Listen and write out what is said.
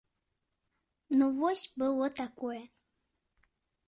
Ну вось было такое.